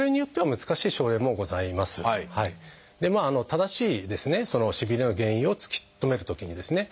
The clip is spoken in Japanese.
正しいしびれの原因を突き止めるときにですね